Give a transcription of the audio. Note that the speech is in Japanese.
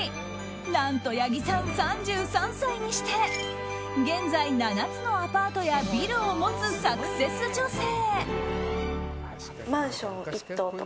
何と八木さん、３３歳にして現在７つのアパートやビルを持つサクセス女性。